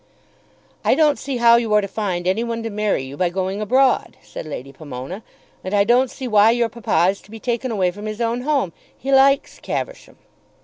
"I don't see how you are to find any one to marry you by going abroad," said Lady Pomona, "and I don't see why your papa is to be taken away from his own home. He likes Caversham."